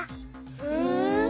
ふん。